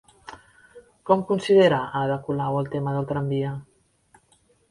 Com considera Ada Colau el tema del tramvia?